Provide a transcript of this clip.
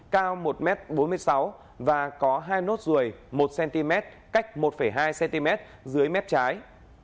cao một m bốn mươi sáu và có hai nốt ruồi một cm cách một hai cm dưới mép trái